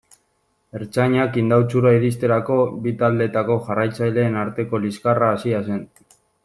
Ertzainak Indautxura iristerako, bi taldeetako jarraitzaileen arteko liskarra hasia zen.